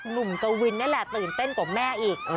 กวินนี่แหละตื่นเต้นกว่าแม่อีก